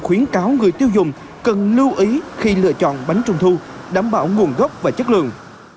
khuyến cáo người tiêu dùng cần lưu ý khi lựa chọn bánh trung thu đảm bảo nguồn gốc và chất lượng